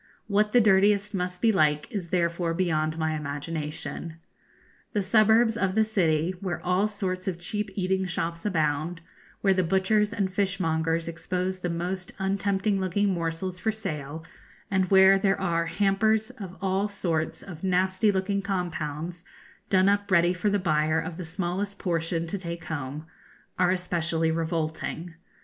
What the dirtiest must be like is therefore beyond my imagination. The suburbs of the city, where all sorts of cheap eating shops abound where the butchers and fishmongers expose the most untempting looking morsels for sale, and where there are hampers of all sorts of nasty looking compounds, done up ready for the buyer of the smallest portion to take home are especially revolting.